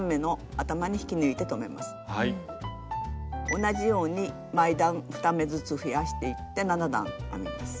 同じように前段２目ずつ増やしていって７段編みます。